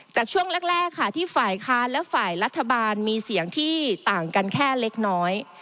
ช่วงแรกค่ะที่ฝ่ายค้านและฝ่ายรัฐบาลมีเสียงที่ต่างกันแค่เล็กน้อย